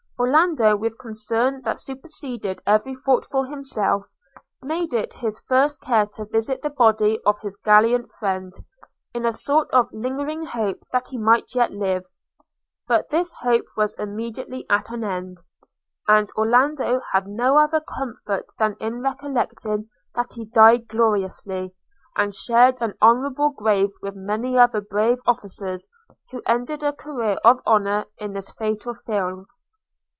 Orlando, with concern that superseded every thought for himself, made it his first care to visit the body of his gallant friend, in a sort of lingering hope that he might yet live: but this hope was immediately at an end; and Orlando had no other comfort than in recollecting that he died gloriously, and shared an honourable grave with many other brave officers who ended a career of honour in this fatal field.